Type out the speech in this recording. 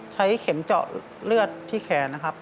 ใช้เข็มเจาะเลือดที่แขนนะครับ